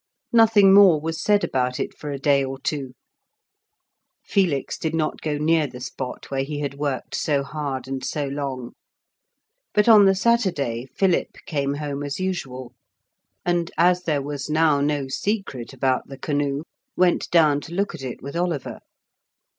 Nothing more was said about it for a day or two. Felix did not go near the spot where he had worked so hard and so long, but on the Saturday Philip came home as usual, and, as there was now no secret about the canoe, went down to look at it with Oliver.